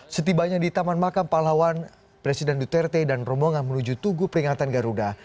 setibanya di taman makam pahlawan presiden duterte dan rombongan menuju tugu peringatan garuda